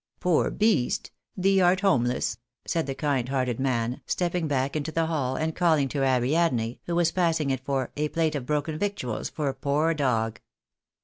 " Poor beast ! Thee art homeless !" said the kind hearted man, stepping back into the hall, and calling to Ariadne, who was passing it, for " a plate of broken victuals for a poor dog."